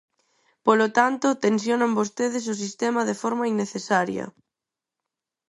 Polo tanto, tensionan vostedes o sistema de forma innecesaria.